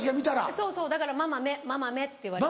そうそうだから「ママ目ママ目」って言われて。